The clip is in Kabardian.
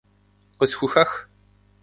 Къысхухэх!